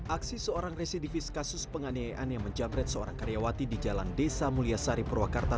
aksi seorang residivis kasus penganiayaan yang menjamret seorang karyawati di jalan desa mulyasari purwakarta